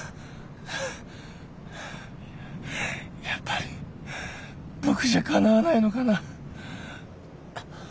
やっぱり僕じゃかなわないのかな。